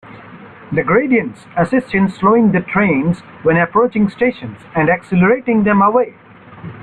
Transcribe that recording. The gradients assist in slowing the trains when approaching stations, and accelerating them away.